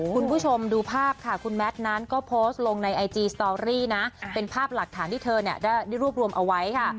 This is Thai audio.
คุณผู้ชมดูภาพค่ะคุณแมทนั้นก็โพสต์ลงในไอจีสตอรี่นะเป็นภาพหลักฐานที่เธอเนี่ยได้รวบรวมเอาไว้ค่ะ